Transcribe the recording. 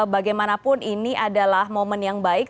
bagaimanapun ini adalah momen yang baik